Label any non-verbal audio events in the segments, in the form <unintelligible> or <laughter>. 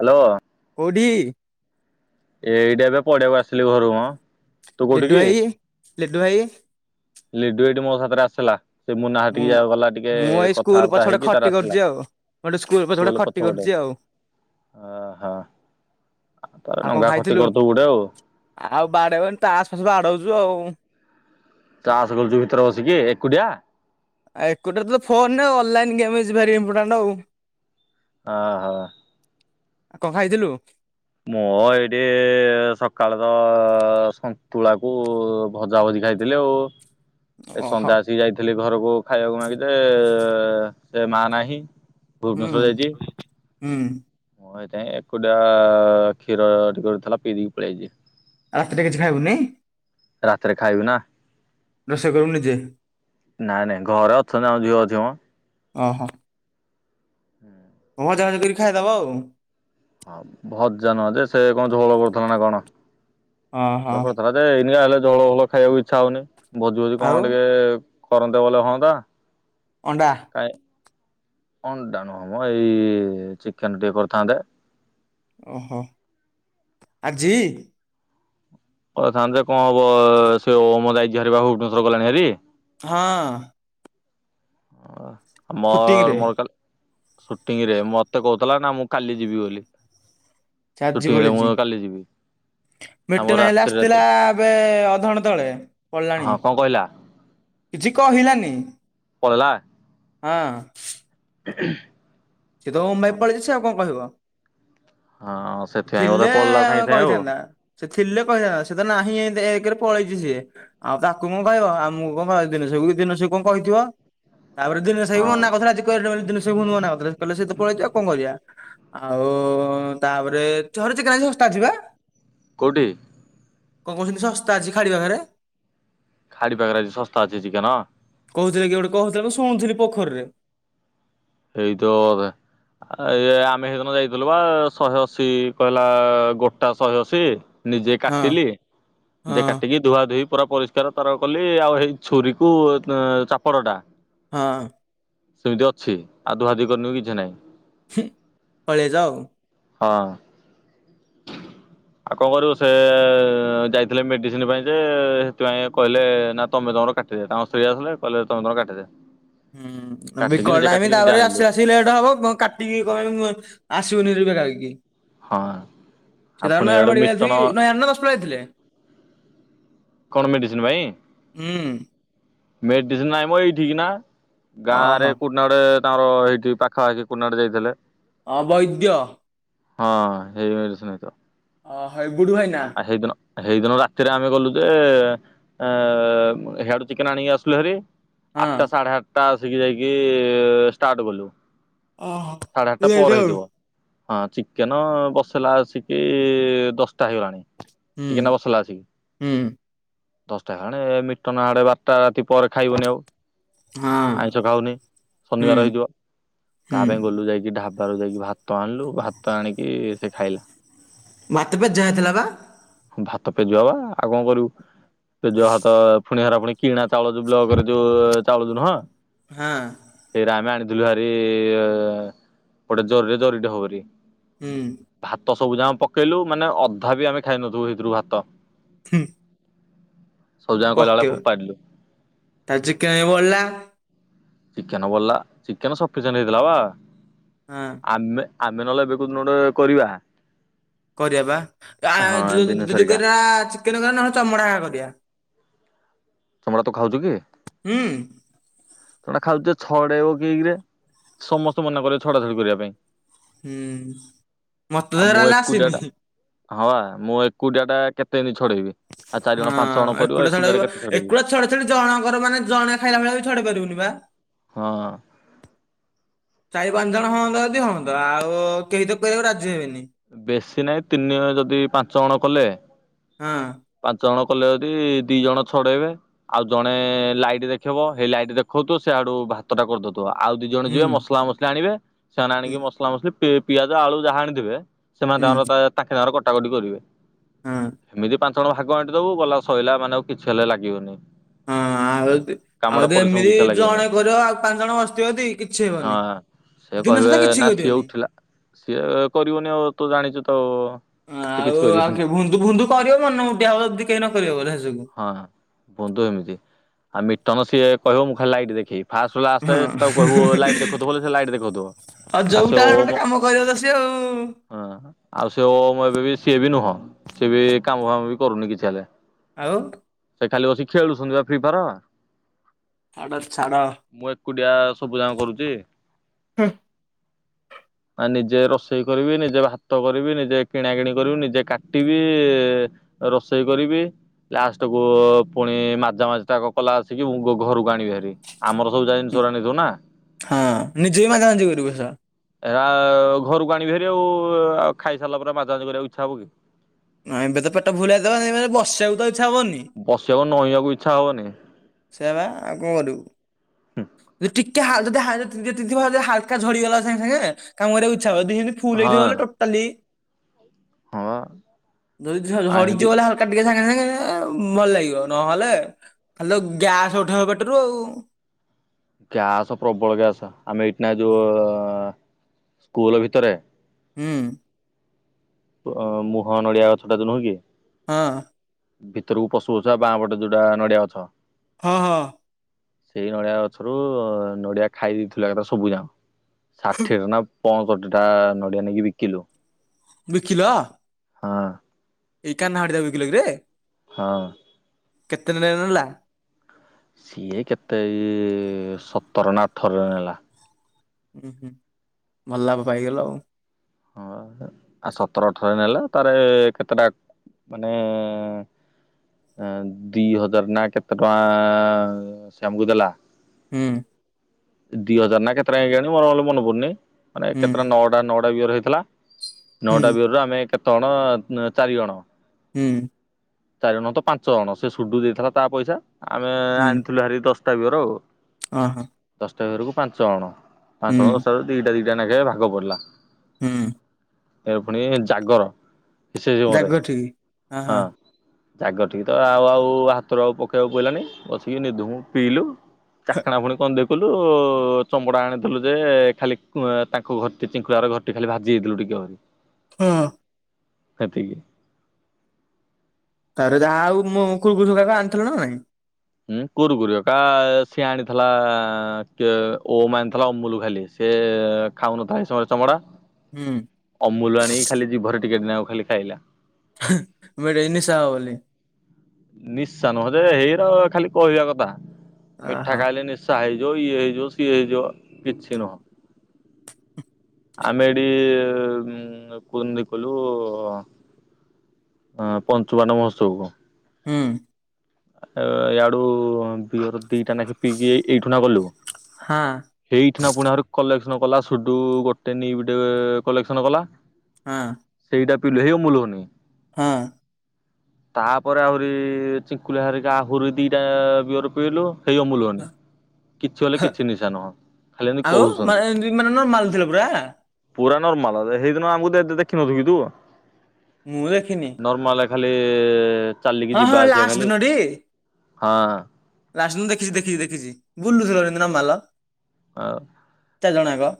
Hello. କୋଉଠି? ଏଇଟା ଏବେ ପଡିଆକୁ ଆସିଲି ଘରୁ ମଁ। ଲି୍ଡୁ ଭାଇ ଲି୍ଡୁ ଭାଇ। ଲିଡୁ ଏଇ ମୋ ସାଥିରେ ଆସିଲା। ସେ ମୁନା ହେଠିକି ମୁଁ ଗଲା ଟିକେ ମୁଁ ଏଇ ସ୍କୁଲ କଥାବାର୍ତ୍ତା ପଛ ପଟେ ହେଇକି ତାର ଖଟି ଆସିଲା। କରୁଛି ଆଉ ଗୋଟେ ସ୍କୁଲ ପଟ ପାଟି କରୁଛି ଆଉ। ଓହୋ ତାର ଆଉ କଣ ଲଙ୍ଗା ଖଟି ଖାଇଥିଲୁ? କରିଦବୁ ଗୋଟେ ଆଉ। ଆଉ ବାଡେଇବାନ ତଆସ ଫାସ ବାଡଉଛୁ ଆଉ। ଚାଷ କରୁଛୁ ଭିତରେ ବସିକି ଏକୁଟିଆ। ଆଉ ଏକୁଟା ତ phone online game very important ଆଉ। ଓହୋ। ଆ କ ଖାଇଥିଲୁ। ମୋ ଏଇଠି ସକାଳେ ତ ସନ୍ତୁଳାକୁ ଭଜା ଭଜିଖାଇଥିଲି ଆଉ। ଏ ଓହୋ ସନ୍ଧ୍ୟା ଆସିକି ଯାଇଥିଲି। ଘରକୁ ଖାଇବାକୁ ମାଗଥିଲେେ ସେ ମା ନାହିଁ। ହୁଁ ଭୁବନେଶ୍ଵର ଯାଇଛି ହୁଁ ମୁଁ ସେଇତି ପାଇ ଏକୁଟଆ। କ୍ଷୀର ଟିକେଥିଲା ପିଇ ଦେଇକି ପଳେଇଆଇଛି। ରାତିରେ କିଛି ଖାଇବୁନି। ରାତିରେ ଖାଇବି ନା। ରୋଷେଇ କରୁ ନିଜେ ନାଇଁ ନାଇଁ ଘରେ ଅଛନ୍ତି ଆମ ଝିଅ ଅଛି ମ। ଓ ହଁ। ହୁଁ। ଭଜା ଭାଜି କରି ଖାଇଦବ ଆଉ। ହଁ ଭଜା ନହେଲେ ସେ କଣ ଝୋଳ କରୁଥିଲା ନା କଣ ଓହୋ କରୁଥିଲା। ଏ ଏଇନକା ହେଲେ ଝଳ ଫଳ ଖାଇବାକୁ ଇଚ୍ଛା ହଉନି ଭୋଜି ଭୋଜି ଆଉ କଣ ଟିକେ କରନ୍ତେ ବଲେ ହୁଅନ୍ତା। ଅଣ୍ଡା। <unintelligible> ଅଣ୍ଡାଣୁ ନୁହମ ଏଇ ଚିକେନ ଟିକେ କରିଥାନ୍ତେ। ଓହୋ ଆଜି କର ଥନ୍ତେ ଯେ କଣ ହବ ସେ ଓମ ଯାଇଛି ହରି ବା ଭୁବନେଶ୍ୱର ଗଲାଣି ହେରି। ହଁ। ଓ ସୁଟିଂରେ ମୋର ମୋର କାଲି। ସୁଟିଂ ରେ ମତେ କହୁଥିଲା ନା ମୁଁ କାଲି ଯିବି ବୋଲି। ସୁଟିଂରେ ମୁଁ କାଲି ଯିବି। ନା ମୋର ମିଟନ୍ ହେଲେ ରାତିରେ ରାତିରେ ଆସିଥିଲା ଏବେ ଅଧଘଣ୍ଟା ତଳେ ପଳଣା ହଁ କଣ କହିଲା? କିଛି କହିଲାନି। ପକେଇଲା। ହଁ। <unintelligible> ସିଏ ତ ମୁମ୍ବାଇ ପଳେଇଛି ଆଉ କଣ କହିବ। ହଁ ସେଥିପାଇଁ ବୋଧେ ଥିଲେ ପଲା ସାଇଁ ସାଇଁ ଆଉ। କହିଥାନ୍ତା ସେ ଥିଲେ କଣ ହେଇଥାନ୍ତା ସେ ତ ନାହିଁ ଏନ୍ତେ ଏକରେ ପଳେଇଛି ସିଏ। ଆଉ ତାକୁ ମୁଁ କହିବ ଆଉ ମୁଁ କଣ କହିଥିଲି ସେ ଯେଉଁ ଦିନ ସେ କଣ କହିଥିବ। <unintelligible> ତାପରେ ଦିନେଶ ଭାଇ ବି ହଁ ମନା କଥିଲା ଆଜି <unintelligible> କଣ କରିବା ଆଉ ତାପରେ ରେ ଥରୁଛି କାଇଁ ଶସ୍ତା ଅଛି ବା। କୋଉଠି। କଣ କହୁଛନ୍ତି ଶସ୍ତା ଅଛି ଖାଡି ପାଖରେ। ଖାଡି ପାଖରେ ଆଜି ଶସ୍ତା ଅଛି ଚିକେନ। କହୁଥିଲେ କିଏ ଗୋଟେ କହୁଥିଲେ ମୁଁ ଶୁଣୁଥିଲି ପୋଖରୀରେ। ହେଇ ଥିବା ବୋଧେ। ଇଏ ଆମେ ସେଇଦିନ ଯାଇଥିଲୁ ବା ଶହେ ଅଶୀ କହିଲା ଗୋଟା ଶହେଅଶୀ। ନିଜେ ହଁ କାଟିଲି ହଁ ନିଜେ କାଟିକି ଧୁଆ ଧୋଇ ପୁରା ପରିଷ୍କାର ତାର କଲି ଆଉ ଏଇ ଛୁରୀକୁ ଚାପଡ଼ ଟା ହଁ। ସେମିତି ଅଛି ଆଉ ଧୁଆ ଧୁଇ କରିନି କିଛି ନାହିଁ। ପଳେଆଇଚ। ହଁ। ଆଉ କଣ କରିବୁ ସେ ଯାଇଥିଲେ ମେଡିସିନ ପାଇଁ ଯେ ସେଥିପାଇଁ କହିଲେ ନା ତମେ ତମର କା ସେଇଆ ତାଙ୍କ ସ୍ତ୍ରୀ ଆସିଲେ କହିଲେ ତମେ ତମର କାଟିିଦିଅ। ହୁଁ ତମେ ବିକଳ ଟାଇମି ତାପରେ ଆସି ଆସି ଲଟେ ହବ କାଟିକି କଣ ଆସିବୁନିାକି <unintelligible> ସ ନଣିକ ଯାଇିକି ହଁ ଆଉ ପୁଣି ଇଆଡୁ ମିଟନ <unintelligible> ନୟଣ ଦଶ ପଲା ଯାଇଥିଲେ କଣ ମେଡିସିନ ପାଇଁ ହୁଁ ମେଡିସିନ ନାଇଁମ ଏଇଠିକିନା ଗାଁ ରେ ଓହୋ କୁନଡେ ତାର ଏଇଠି ପାଖାପାଖି କୁନଡେ ଯାଇଥିଲେ। ଅବୈଦ୍ୟ। ହଁ ସେଇ ମେଡିସିନ ହେଇ ଥିବ। ଅ ହେ ଗୁଡ଼ୁ ଭାଇନା। ଆ ହେଇଦିନ ହେଇଦିନ ରାତିରେ ଆମେ ଗଲୁ ଯେ ଏଁ ହେଆଡୁ ଚିକେନ ଆଣିକି ଆସିଲୁ ହେରି ହଁ। ଆଟା ସାଢ଼େ ଆ ଟା ଆସିକି ଯାଇକି ଷ୍ଟାର୍ଟ କଲୁ ଓହୋ ସାଢେ ଆଟା ଲେଟ୍ ପରେ ଆଉ। ହେଇଥିବ। ହଁ ଚିକେନ ବସଲା ଆସିକି ଦଶଟା ହେଇଗଲାଣି। ହୁଁ ଚିକେନ ଟା ବସେଇଲା ଆସିକି ହୁଁ। ଦଶଟା ହାଣେ ମିଟନ ହାଡେ ବାରଟା ରାତି ପରେ ଖାଇବନି ଆଉ। ହଁ ଆଇଁଷ ଖାଉନି ହୁଁ ଶନିବାର ହେଇଯିବ ତା ହୁଁ। ପାଇଁ ଗଲୁ ଯାଇକି ଢା ଢାବାରୁ ଯାଇକି ଭାତ ଆଣିଲୁ ଭାତ ଆଣିକି ସେ ଖାଇଲା। ଭାତ ପେଯା ହେଥିଲା ପା। ଭାତ ପେଜୁଆ ଉରା ଆଉ କଣ କରିବୁ ପେଜୁଆ ଭାତ ପୁଣି ହେରା ପୁଣି କିଣା ଚାଉଳ ଯୋଉ ବ୍ଲକରେ ଯୋଉ ଚାଉଳ ଯୋ ନୁହଁ। ହଁ ସେଇରା ଆମେ ଆଣିଥିଲୁ ଭାରି ଗୋଟେ ଜରିରେ ଜରିଟେ ହବ ଭରି। ହୁଁ। ଭାତ ସବୁ ଯାଙ୍କ ପକେଇଲୁ ମାନେ ଅଧା ବି ଆମେ ଖାଇନଥିବୁ ସେଇଥିରୁ ଭାତ। ହୁଁ। ସବୁ ଯାଙ୍କ କଇଲା ଭଳିଆ ପକେଇବ ଫୋପାଡିଲୁ। ତା ଚିକେ କାଇଁ ବଳିଲା। ଚିକେନ ବଳିଲା ଚିକେନ ସଫିସେଣ୍ଟ୍ ହେଇଥିଲା ବା। ହଁ। ଆମେ ଆମେ ନହେଲେ ଏବେ କୋଉଦିନ ଟେ କରିବା। କରିବା ବା ଆ ହଁ ଜୋ ଦିନେଶ ହରିକା ଜଦିକରିବା ଚିକେନ କରି ନହେଲେ ଚମଡା କରିବା। ଚମଡ଼ା ତୁ ଖାଉଛୁ କି? ହୁଁ। ତା ଖାଉଛେ ଛଡେଇବ କିଏ କିିରେ ସମସ୍ତେ ମନା କରିବେ ଛଡା ଛଡି କରିବା ପାଇଁ। ହୁଁ ମତେ ଆଉ ମୁଁ ଧରା ହେଲା ଏକୁଟିଆ ଟା ଆସିନି। ହଁ ମୁଁ ଏକୁଟିଆ ଟା କେତେ ଦିନ ଛଡେଇବିଉ ଚାରିଣ ପାଞ୍ଚ ଜଣ କରିବ ଏକୁଟିଆ ଟା କେତେ ଛଡେଇବି। ଛଡ ଛ ଜଣଙ୍କର ମାନେ ଜଣେ ଖାଇଲା ଭଳିଆ ଛଡେଇ ପାରିବୁନି ବା। ହଁ। ଚାରି ପାଞ୍ଚ ଜଣ ହଅନ୍ତା ଯଦି ହୁଅନ୍ତା ଆଉ କେହି ତ କରିବାକୁ ରାଜି ହେବେନି। ବେଶୀ ନାହିଁ ତିନି ଯଦି ପାଞ୍ଚ ଜଣ କଲେ। ହୁଁ। ପାଞ୍ଚ ଜଣ କଲେ ଯଦି ଦି ଜଣ ଛଡେଇବେ। ଆଉ ଜଣେ ଲାଇଟ୍ ଦେଖେଇବ ସେଇ ଲାଇଟ ଦେଖଉଥୁ ସେଆଡୁ ଭାତ ଟା କରିଦଉୁ। ଆଉ ଦି ଜଣ ହୁଁ ଯିବେ ମସଲା ମସଲି ଆଣିବେ ସେମାନେ ହୁଁ ଆଣିକି ମସଲା ମସଲି ପିଆଜ ଆଳୁ ଯାହା ଆଣିଥିବେ। ସେମାନେ ତାଙ୍କର ତାଙ୍କେ ତାଙ୍କର କଟାକଟି କରିବେ। ହୁଁ। ଏମିତି ପାଞ୍ଚ ଜଣ ଭାଗ ଆଣ୍ଟିଦବୁ ବଲା ସରିଲା ମାନେ ଆଉ କିଛି ହେଲେ ଲାଗିବନି। ହଁ ଆଉ କାମଟା ଆଉ ପରିଶ୍ରମ ଏମିତି କିଛି ଲାଗିବନି ଜଣେ କରିବ ଆଉ ପାଞ୍ଚ ଜଣ ବସିଥିବ ଦି କିଛି ହେବନି। ହଁ ସେ ଦିନ କହିବେ ସାରା କିଛି ନା ସିଏ କରିବନି ଉଠିଲା ସିଏ କରିବନି ଆଉ ତୁ ଜାଣିଛୁ ତ? ସେ କିଛି ଆଉ କରିବନି ଆଉ ବୁନ୍ଦୁ ଫୁନ୍ଦୁ କରିବ ମନୋବୁଟିଆ କେହି ନକିବ ସବୁ। ହଁ ବୁନ୍ଧୁ ଏମିତି ଆଉ ମିଟନ ସିଏ କହିବ ମୁଁ ଖାଲି ଲାଇଟ୍ ଦେଖେଇବି। ଫାଷ୍ଟ ରୁ ଲାଷ୍ଟ ହଁ ଆସେ ତାକୁ କହିବୁ ଲାଇଟ୍ ଦେଖଥିବ ସେ ଲାଇଟ୍ ଦେଖଉଥିବ ଆଉ ସେ ଯୋଉଟା ଗୋଟେ କାମ କରିବ ତ ସେ ଆଉ। ହଁ ଆଉ ସେ ଓଁ ଏବେ ବି ସିଏ ବି ନୁହଁ ସିଏ ବି କାମ ଫାମ ବି କରୁନି କିଛି ହେଲେ। ଆଉ ସେ ଖାଲି ବସି ଖେଳୁଛନ୍ତି ବା ଫ୍ରି ଫାୟାର। ଆଉ ଛାଡ ଛାଡ ମୁଁ ଏକୁଟିଆ ସବୁ ଯାକ କରୁଛି। ଆଉ ନିଜେ ରୋଷେଇ କରିବି ନିଜ ନିଜେ ଭାତ କରିବି ନିଜେ କିଣା କିିଣି କରିବି ନିଜେ କାଟିବି ରୋଷେଇ କରିବି। ଲାଷ୍ଟ କୁ ପୁଣି ମାଜା ମାଜା ତା କଲା ଆସିକି ମୁଁ ଘରକୁ ଆଣିବି ଭାରି। ଆମର ସବୁ ଜିନିଷ ଗୋରା ନେଇଥିବୁ ନା? ହଁ ନିଜେ ବି ମାଯା ମୁଜି କରିବୁ। ଏ ରା ଘରକୁ ଆଣିବି ଭାରି ଖାଇସାରିଲା ପରେ ମାଜାମଜି କରିବାକୁ ଇଚ୍ଛା ହବ କି? ଏମିତି ତ ପେଟ ଫୁଲୁ ହେଇଯାଇଥିବ ଏମିତି ବସିବାକୁ ଇଛା ହବନି। ବସିବାକୁ ନଇବାକୁ ଇଚ୍ଛା ହବନି। ସେବା ଆଉ କଣ କରିବୁ। ଟିକେ ହା ଟିକେ ହାଲକା ଝଡିଗଲା ସାଙ୍ଗେ ସାଙ୍ଗେ କାମ କରିବାକୁ ଇଛା ହ ଫୁଲ ହଁ ହେଇଥିବ ବୋଲି ଟୋଟାଳି ହଁ ଯଦି ଆ ଝଡି ଏମିତି ବୋଲି ହା କାଟ ଟିକେ ସାଙ୍ଗେ ସାଙ୍ଗେ ଭଲ ଲାଗିବ। ନହଲେ ଖାଲିତ ଗ୍ୟାସ୍ ଉଠେଇବ ପେଟରୁ ଆଉ। ଗ୍ୟାସ ପ୍ରବଳ ଗ୍ୟାସ ଆମେ ଏଇଠି ନା ଯୋଉ ସ୍କୁଲ ଭିତରେ ହୁଁ। ମୁହଁ ନଡ଼ିଆ ଗଛଟା ଯଉ ନୁହଁ କି? ହଁ। ଭିତରକୁ ପଶୁ ପଶୁକା ବାଁ ପଟେ ଯୋଉଟା ନଡିଆ ଅଛ। ହଁ ହଁ। ସେଇ ନଡିଆ ଗଛରୁ ନଡିଆ ଖାଇ ଦେଇେଇଥିଲୁ କେଥା ସବୁ ଯାକ ଷାଠିଏ ଟ ନା ପଅଁଷଠି ଟା ନଡ଼ିଆ ନେଇକି ବିକିଲୁ। ବିକିଲ? ହଁ। ଏଇ କାହ୍ନଆ ଘଟିଦା ବିକିଲ କିରେ? ହଁ। କେତେ <unintelligible> ନେଲା? ସିଏ କେତେ ଏଇ ସତର ନା ଅଠରରେ ନେଲା। ହୁଁ ହୁଁ ଭଲ ଲାଭ ପାଇଗଲ ଆଉ। ହଁ ଆ ସତର ଅଠର ନେଲା ତାରେ କେତଟା ମାନେ ଅ ଦି ହଜାର ନା କେତେ ଟଙ୍କା ସେ ଆମକୁ ଦେଲା। ହୁଁ। ଦି ହଜାର ନା କେତେଟା କେଇଜାଣି ମରଲେ ମନେ ପଡୁନି। ମାନେ କେତେଟା ହୁଁ ନଅଟା ନଅଟା ବିଅର ହେଇ ଥିଲା ହୁଁ ନଅଟା ବିଅର ରୁ ଆମେ କେତେ ଜଣ ଚାରି ଜଣ। ହୁଁ। ଚାରି ଜଣ ନୁହଁ ତ ପାଞ୍ଚ ଜଣ ସେ ସୁଡୁ ଦେଇଥିଲା ତା ପଇସା ଆମେ ଆଣିଥିଲୁ ହାରି ଦଶଟା ବିଅର ଆଉ। ଅଁ ହଁ। ଦଶଟା ବିଅରକୁ ପାଞ୍ଚ ଅଣ, ପାଞ୍ଚ ହୁଁ। ଅଣ ଦଶଟା ଦିଟା ଦିଟା ନେଖ ଭାଗ ପଡିଲା। ହୁଁ। ଏ ପୁଣି ଜାଗର ସେ ସମୟରେ ହଁ। ଜାଗର ଟିକ ତ ଆଉ ଆଉ ହାତରୁ ଆଉ ପକେଇବାକୁ ପଇଲାନି ବସିକି ନିଧୁମୁ ପିଇଲୁ। ଚାଖଣା ପୁଣି କଣ ଦେଖଲୁ ଚମଡ଼ା ଆଣିଥିଲୁ ଯେ ଖାଲି ତାଙ୍କ ଘରଟି ଚିଙ୍କୁଡ଼ାର ଘରଟି ଖାଲି ଭାଜିଯାଇଥିଲୁ ଟିକେ ଆଉ ହଁ। ହେତିକି। ତାରେ ଯାହା ଆଉ ମୁଁ କୁକୁୁୁ କାକୁ ଆଣିଥିଲ ନା ନାଇଁ। ହୁଁ କୁରୁ କୁରି କା ସିଏ ଆଣିଥିଲା କେ ଓମ୍ ଆଣିଥିଲା ଅମୁଲ ଖାଲି। ସେ ଖାଉନଥାଏ ସହଜେ ଚମଡ଼ା। ହୁଁ। ଅମୁଲ ଆଣିକି ଖାଲି ଜୀଭରେ ଟିକେ ନାଗୁ ଖାଲି ଖାଇଲା। <unintelligible> ନିଶା ହବ ବୋଲି। ନିଶା ନୁହଁ ଯେ ହେଇ ର ଖାଲି କହିବା କଥା ମିଠା ଅହ ଖାଇଲେ ନିସା ସା ହେଇଯିବ, ଇଏ ହେଇଯିବ, ସିଏ ହେଇଯିବ କିଛି ନୁହଁ। ଆମେ ଏଠି କୁନ୍ତିି କଲୁ ହ ପଞ୍ଚୁବାଣ ମହୋତ୍ସବ କୁ। ହୁଁ। ଇଆଡୁ ବିୟର ଦିଟା ନେଖେ ପିଇକି ଏଇଠୁ ନା ଗଲୁ। ହଁ। ସେଇଠିନା ପୁଣି ଆ କଲେକ୍ସନ କଲା ସୁଡୁ ଗୋଟେ ନିବ ଟେ କଲେକ୍ସନ କଲା। ହଁ। ସେଇଟା ପିଇଲୁ <unintelligible> ହଁ। ତାପରେ ଆହୁରି ଚିଙ୍କୁଲା ହୋରିକା ଆହୁରି ଦୁଇଟା ବିୟର ପିଇଲୁ। ସେଇ ଅମୁଲ <unintelligible> କିଛି ବୋଲି କିଛି ନିଶା ନୁହଁ। ଖାଲି ଏମିତି ଆଉ କହୁଛନ୍ତି। ମାନେ ଏମତି ନର୍ମାଲ ଥିଲା ପୁରା? ପୁରା ନର୍ମାଲ ସେଇଦିନ ଆମକୁ ଦେ ଦେଖିନଥିବୁକି ତୁ? ମୁଁ ଦେଖିନି। ନର୍ମାଲ ଖାଲି ଚାଲିକି ହଁ ହଁ ଯିବା ଆସିବା ଲାଷ୍ଟ ଖାଲି ଦିନଟି? ହଁ। ଲାଷ୍ଟ ଦିନ ଦେଖିଚି ଦେଖିଚି ଦେଖିଚି ବୁଲୁଥିଲ ସେଦିନ ନମାଲ। ହଁ। ଚାରି ଜଣ ଯାଙ୍କ।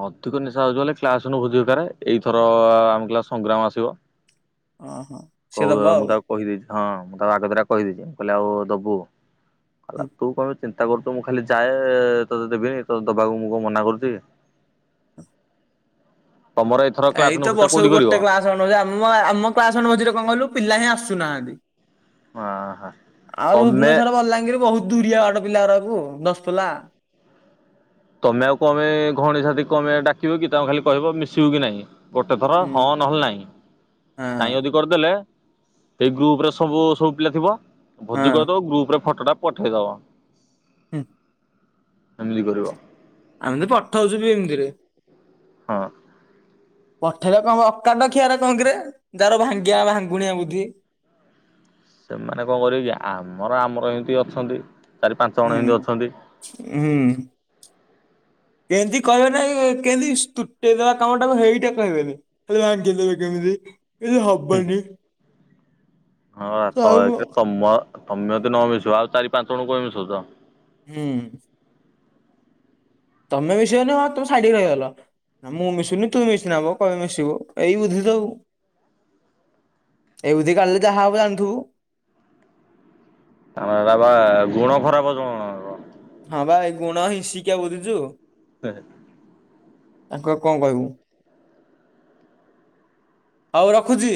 ଅଧିକ ନିଶା ହଉଚି ବଲେ କ୍ଲାସୁ ଭୋଜି ଦରକାର ଏଇଥର ଆମେ କ ସଂଗ୍ରାମ ଆସିବ। ଓହୋ। ସିଏ କଉ ଦବ ମୁଁ ଆଉ। ତା କହିଦେଇଚି ହଁ ମୁଁ ତାକୁ ଆଗ ତରିକା କହିଦେଇଚି ମୁଁ କହିଲି ଆଉ ଦବୁ ହେଲା ତୁ କଣ ବେଶି ଚି ନ୍ତା କରୁଚୁ, ମୁଁ ଖାଲି ଯାଏ ତୋତେ ଦେବିନି ତତେ ଦବାକୁ ମୁଁ କଣ ମନା କରୁଚି? ତମର ଏଥର କ୍ଲାସ୍ ନୁ ଏଇତ ଆଫିସ୍ ଟା ବର୍ଷକୁ କୋଉଠି କରିବ? ଗୋଟେ କ୍ଲାସ ଆମ ଆମ କ୍ଲାସ <unintelligible> ମଝିରେ କଣ କହିଲୁ ପିଲା ହିଁ ଆସୁନାହାନ୍ତି। ହଁ ହଁ ଆଉ ତମେ ଭୁବନେଶ୍ଵର, ବଲାଙ୍ଗୀର ବହୁତ୍ ଦୂରିଆ ବାଟ ପିଲାଗୁରାକୁ <unintelligible> ତମେ ଆଉ କଣ ପାଇଁ ଘଉଣି ସାଥି କଣ ପାଇଁ ଆମେ ଡାକିବ କି, ତାଙ୍କୁ ଖାଲି କହିବ ମିଶିବୁ କି ନାଇଁ? ଗୋଟେଥର ହୁଁ। ହଁ ନହେଲେ ନାଇଁ, ନାଇଁ ହଁ ଯଦି କରିଦେଲେ ସେଇ ଗ୍ରୁପ୍ ରେ ସବୁ-ସବୁ ପିଲା ଥିବ, ଭୋଜି ହଁ କରିଦବ ଗ୍ରୁପ୍ ରେ ଫଟ ଟା ପଠେଇଦବ। ହୁଁ। ଏମିତି କରିବ। ଆମେ ତ ପଠଉଛୁ ବି ଏମିତିରେ। ହଁ। ପଠେଇରେ କଣ ହବ, ଅକାଣ୍ଡ ଖିଆର କଣ କିରେ ଯାର ଭାଙ୍ଗିଆ ଭାଙ୍ଗୁଣିଆ ବୁଦ୍ଧି। ସେମାନେ କଣ କରିବେ କି ଆମର-ଆମର ଏନ୍ତି ଅଛନ୍ତି ଚାରି ପାଞ୍ଚ ହୁଁ ଜଣ ଏନ୍ତିି ଅଛନ୍ତି। ହୁଁ। କେନ୍ତି କହିବେ ନାହିଁ କେନ୍ତି ତୁଟେଇ ଦବା କାମ ଟାକୁ ହେଇଟା କହିବେନି। ଖାଲି ଭାଙ୍ଗିଦେବ କେମିତି। କିଛି ହବନି ହଁ ତ କାମ। ତମ ତମେ ଯଦ ନ ମିଶିବ, ଆଉା ଚାରି ପାଞ୍ଚ ଜଣଙ୍କୁ କାଇଁ ମିସୋଉଚ? ହୁଁ। ତମେ ମିଶିବନି ହଁ ତମେ ସାଇଡ୍ ହେଇ ରହିଗଲ। ନାଁ ମୁଁ ମିଶୁନି ତୁ ମିଶିନା ବ କଣ ପାଇଁ ମିଶିବ ଏଇ ବୁଦ୍ଧି ସବୁ। ଏଇ ବୁଦ୍ଧି କାଢ଼ିଲେ ଯାହା ହବ ଜାଣିଥବୁ। ଆମର <unintelligible> ଗୁଣ ଖରାପ ଜଣ ଜଣଙ୍କର। ହଁ ବା ଏ ଗୁଣ ହିନ୍ସିକା ବୁଝୁଚୁ। <unintelligible> ତାଙ୍କୁ ଆଉ କଣ କହିବୁ। ହଉ ରଖୁଚି।